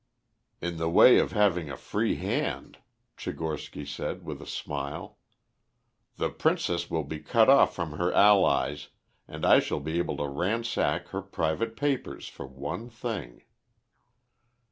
"In the way of having a free hand," Tchigorsky said, with a smile. "The princess will be cut off from her allies, and I shall be able to ransack her private papers for one thing."